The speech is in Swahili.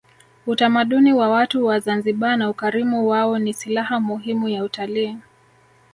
utamaduni wa watu wa zanzibar na ukarimu wao ni silaha muhimu ya utalii